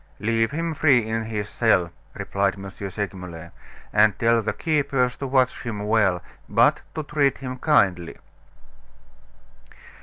"Leave him free in his cell," replied M. Segmuller; "and tell the keepers to watch him well, but to treat him kindly."